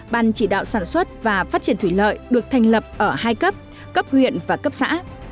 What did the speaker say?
ban chỉ đạo sản xuất và phát triển thủy lợi được thành lập ở hai cấp cấp huyện và cấp xã